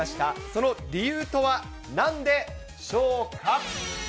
その理由とはなんでしょうか。